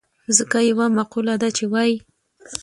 ځکه يوه مقوله ده چې وايي.